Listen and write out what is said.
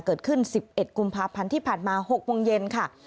เกิดขึ้น๑๑กุมภาพันธ์ที่ผ่านมา๖โมงเย็นค่ะ